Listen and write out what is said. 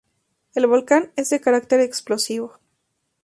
El volcán es de carácter explosivo.